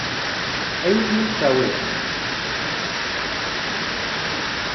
Ad iyi-ten-id-tawiḍ?